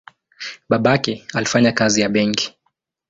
Babake alifanya kazi ya benki.